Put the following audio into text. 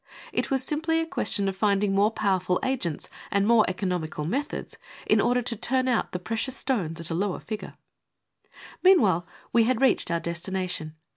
It was simply a question of finding more powerful agents and more economical methods, in order to turn out the precious stones at a lov/er figure. ( 320 ) A STRANGE PHILOSOPHER. 821 Meanwliile we liad readied our destination.